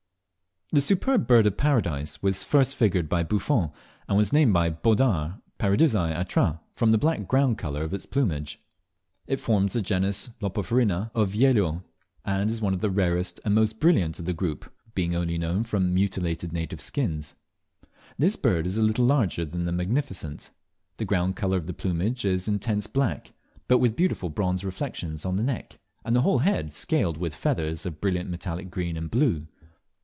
The Superb Bird of Paradise was first figured by Buffon, and was named by Boddaert, Paradisea atra, from the black ground colour of its plumage. It forms the genus Lophorina of Viellot, and is one of the rarest and most brilliant of the whole group, being only known front mutilated native skins. This bird is a little larger than the Magnificent. The ground colour of the plumage is intense black, but with beautiful bronze reflections on the neck, and the whole head scaled with feathers of brilliant metallic green and blue.